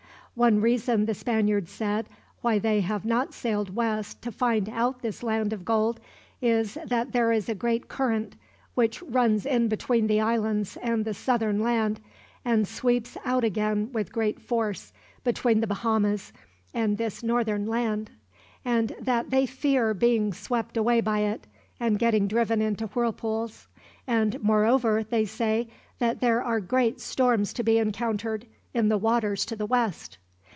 One reason, the Spaniard said, why they have not sailed west to find out this land of gold, is that there is a great current, which runs in between the islands and the southern land, and sweeps out again with great force between the Bahamas and this northern land; and that they fear being swept away by it, and getting driven into whirlpools; and moreover they say that there are great storms to be encountered, in the waters to the west.